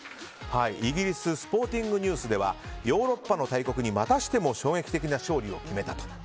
イギリススポーティングニュースではヨーロッパの大国にまたしても衝撃的な勝利を決めたと。